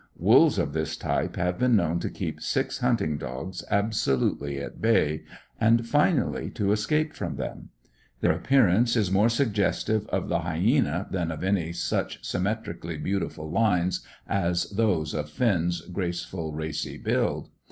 Wolves of this type have been known to keep six hunting dogs absolutely at bay, and finally to escape from them. Their appearance is more suggestive of the hyæna than of any such symmetrically beautiful lines as those of Finn's graceful, racy build.